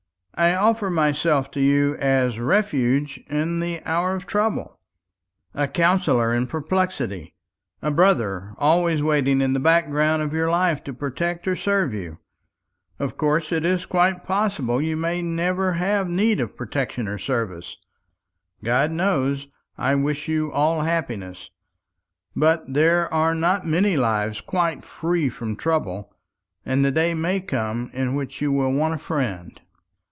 I offer myself to you as refuge in the hour of trouble, a counsellor in perplexity, a brother always waiting in the background of your life to protect or serve you. Of course, it is quite possible you may never have need of protection or service God knows, I wish you all happiness but there are not many lives quite free from trouble, and the day may come in which you will want a friend."